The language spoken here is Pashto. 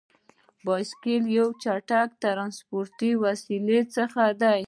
بایسکل یو له چټکو ترانسپورتي وسیلو څخه دی.